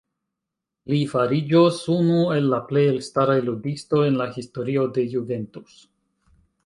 Li fariĝos unu el la plej elstaraj ludistoj en la historio de Juventus.